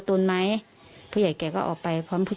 ใช่ไม่ขาด